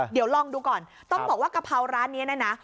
เดี๋ยวลองดูก่อนต้องบอกว่ากะเพราร้านนี้นะนะ